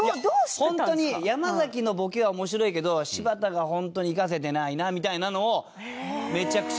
いやホントに山崎のボケは面白いけど柴田がホントに生かせてないなみたいなのをめちゃくちゃ。